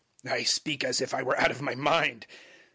(I speak as if I were out of my mind.)